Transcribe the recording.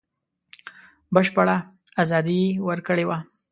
بشپړه ازادي یې ورکړې وه.